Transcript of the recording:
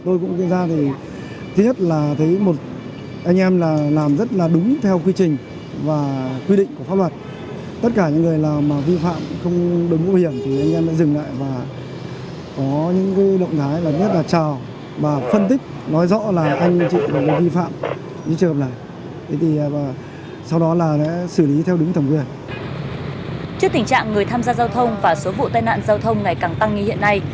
trước tình trạng người tham gia giao thông và số vụ tai nạn giao thông ngày càng tăng nghi hiện nay